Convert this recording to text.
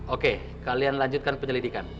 oke kalian lanjutkan penyelidikan